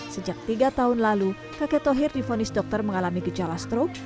sejak tiga tahun lalu kakek tohir difonis dokter mengalami gejala strok